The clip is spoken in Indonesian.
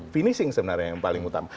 finishing sebenarnya yang paling utama